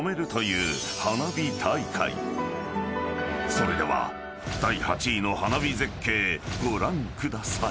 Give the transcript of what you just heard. ［それでは第８位の花火絶景ご覧ください］